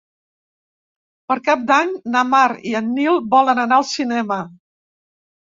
Per Cap d'Any na Mar i en Nil volen anar al cinema.